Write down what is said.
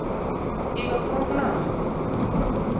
Gigo pok oromo?